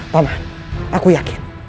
pak man aku yakin